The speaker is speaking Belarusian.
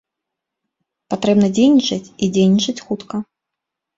Патрэбна дзейнічаць, і дзейнічаць хутка.